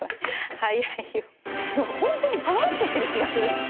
本当にパワーアップしてる気がする。